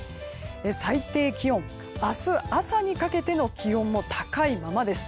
最低気温、明日朝にかけての気温も高いままです。